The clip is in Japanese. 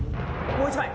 もう一枚！」